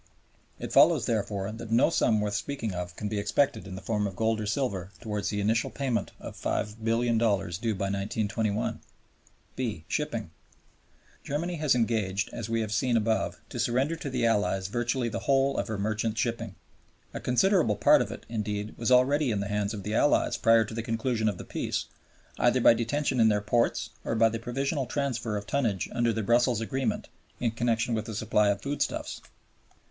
It follows, therefore, that no sum worth speaking of can be expected in the form of gold or silver towards the initial payment of $5,000,000,000 due by 1921. (b) Shipping. Germany has engaged, as we have seen above, to surrender to the Allies virtually the whole of her merchant shipping. A considerable part of it, indeed, was already in the hands of the Allies prior to the conclusion of Peace, either by detention in their ports or by the provisional transfer of tonnage under the Brussels Agreement in connection with the supply of foodstuffs.